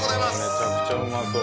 めちゃくちゃうまそう。